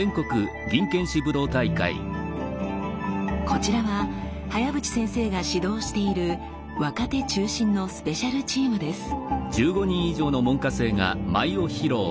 こちらは早淵先生が指導している若手中心のスペシャルチームです。